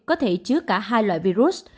có thể chứa cả hai loại virus